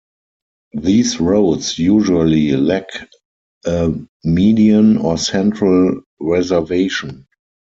These roads usually lack a median or central reservation.